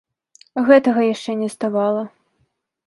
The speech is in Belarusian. Гэтага яшчэ не ставала.